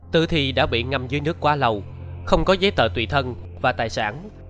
tử thị đã bị ngâm dưới nước quá lâu không có giấy tờ tùy thân và tài sản